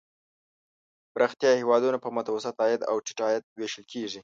پرمختیايي هېوادونه په متوسط عاید او ټیټ عاید ویشل کیږي.